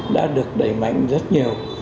đã được đẩy mạnh rất nhiều